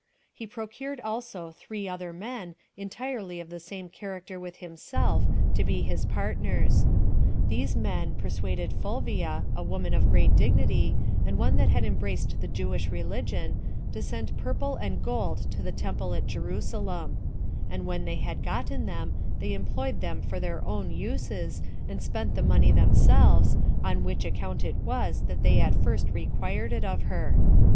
He procured also three other men, entirely of the same character with himself, to be his partners. These men persuaded Fulvia, a woman of great dignity, and one that had embraced the Jewish religion, to send purple and gold to the temple at Jerusalem; and when they had gotten them, they employed them for their own uses, and spent the money themselves, on which account it was that they at first required it of her.